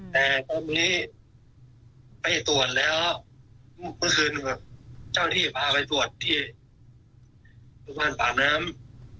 แต่ตรงนี้ไปตรวจแล้วเมื่อคืนเจ้าที่พาไปตรวจที่โรงพยาบาลป่าน้ำ